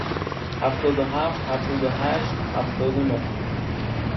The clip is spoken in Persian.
هفتاد و هفت، هفتاد و هشت، هفتاد و نه.